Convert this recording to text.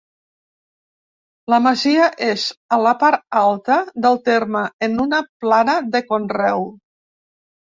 La masia és a la part alta del terme, en una plana de conreu.